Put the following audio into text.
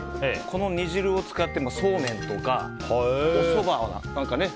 この煮汁を使ってそうめんとか、おそばなんかをね